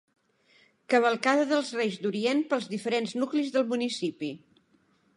Cavalcada dels Reis d'Orient pels diferents nuclis del municipi.